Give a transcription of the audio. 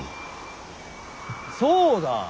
そうだ